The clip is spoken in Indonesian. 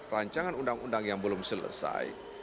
rancangan undang undang yang belum selesai